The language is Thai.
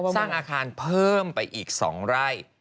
สร้างอาคารเพิ่มไปอีก๒ไร่